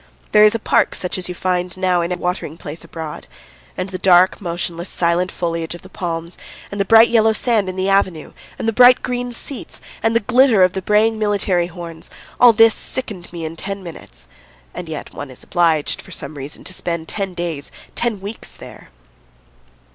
There is a park such as you find now in every watering place abroad. And the dark, motionless, silent foliage of the palms, and the bright yellow sand in the avenue, and the bright green seats, and the glitter of the braying military horns all this sickened me in ten minutes! And yet one is obliged for some reason to spend ten days, ten weeks, there!